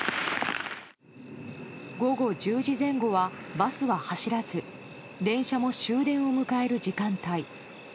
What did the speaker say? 午後１０時前後はバスは走らず電車も終電を迎える時間帯。